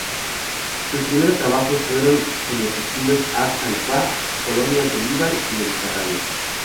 Sus primeros trabajos fueron en los estilos Arts and Crafts, Colonial revival y Mediterráneo.